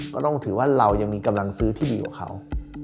ก็ต้องถือว่าเรายังมีกำลังซื้อที่ดีกว่าเขา